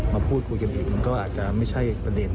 มาพูดคุยกันเองมันก็อาจจะไม่ใช่ประเด็น